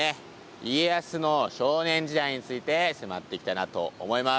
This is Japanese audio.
家康の少年時代について迫っていきたいなと思います。